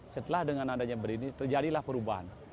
setelah dengan adanya brid terjadilah perubahan